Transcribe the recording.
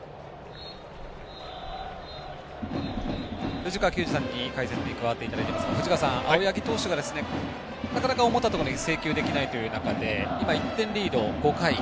藤川球児さんに、解説に加わっていただいておりますが藤川さん、青柳投手がなかなか、思ったところに制球できないという中で今、１点リード、５回。